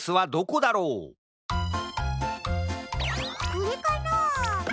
これかな？